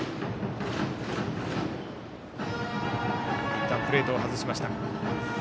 いったんプレートを外しました。